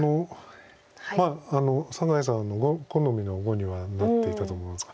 まあ酒井さんの好みの碁にはなっていたと思うんですが。